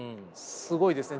すごいですね。